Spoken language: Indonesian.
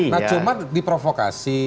nah cuma diprovokasi